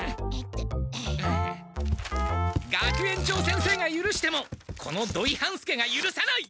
学園長先生がゆるしてもこの土井半助がゆるさない！